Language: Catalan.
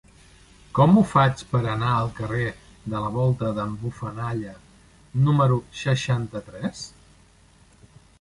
Com ho faig per anar al carrer de la Volta d'en Bufanalla número seixanta-tres?